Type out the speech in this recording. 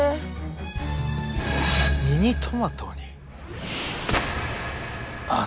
ミニトマトに穴？